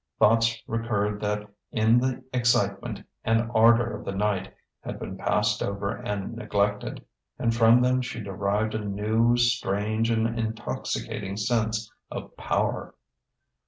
Thoughts recurred that in the excitement and ardour of the night had been passed over and neglected; and from them she derived a new, strange, and intoxicating sense of power.